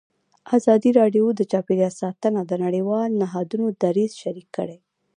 ازادي راډیو د چاپیریال ساتنه د نړیوالو نهادونو دریځ شریک کړی.